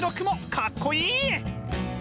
かっこいい！